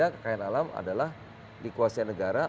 kekayaan alam adalah dikuasai negara